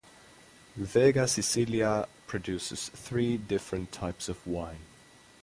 Vega Sicilia produces three different types of wine.